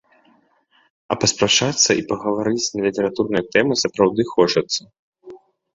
А паспрачацца і пагаварыць на літаратурныя тэмы сапраўды хочацца.